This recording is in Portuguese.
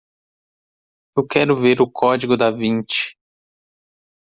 Eu quero ver o código Da Vinci